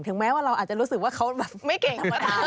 ถึงแม้ว่าเราอาจจะรู้สึกว่าเขาแบบไม่เก่ง